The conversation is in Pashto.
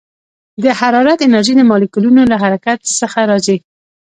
د حرارت انرژي د مالیکولونو له حرکت څخه راځي.